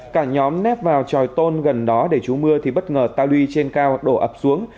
cả nhóm nếp vào tròi tôn gần đó để trú mưa thì bất ngờ tà luy trên cao đổ ập xuống